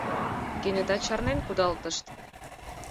Кенета чарнен кудалтышт.